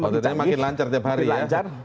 ott makin lancar tiap hari ya